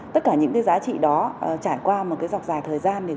tất cả những giá trị đó trải qua một dọc dài thời gian